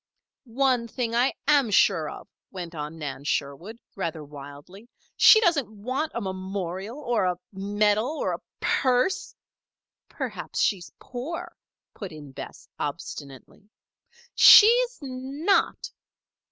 "One thing I am sure of," went on Nan Sherwood, rather wildly. "She doesn't want a memorial or a medal or a purse " "Perhaps she's poor," put in Bess, obstinately. "She's not!"